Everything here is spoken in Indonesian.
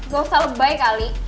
gue usah lebih baik ali